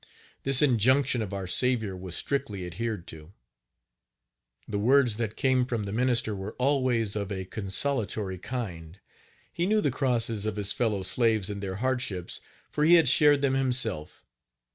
This injunction of our Saviour was strictly adhered to. The words that came from the minister were always of a consolatory kind. He knew the crosses of his fellow slaves and their hardships, for he had shared them himself.